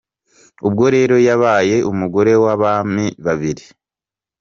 Ubwo rero yabaye umugore w’abami babiri.